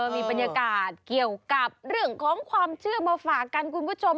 มีบรรยากาศเกี่ยวกับเรื่องของความเชื่อมาฝากกันคุณผู้ชม